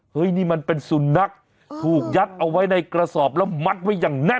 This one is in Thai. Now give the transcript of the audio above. นี่มันเป็นสุนัขถูกยัดเอาไว้ในกระสอบแล้วมัดไว้อย่างแน่น